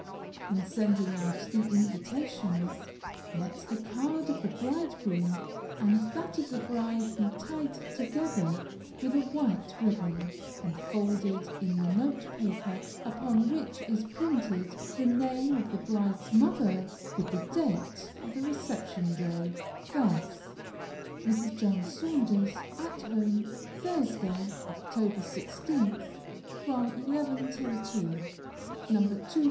In sending out the invitations, let the card of the bridegroom and that of the bride be tied together with a white ribbon, and folded in the note paper upon which is printed the name of the bride's mother, with the date of the reception day, thus: MRS. JOHN SAUNDERS. At home, Thursday, Oct. 16th, from 11 till 2. No.